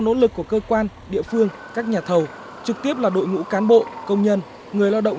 nỗ lực của cơ quan địa phương các nhà thầu trực tiếp là đội ngũ cán bộ công nhân người lao động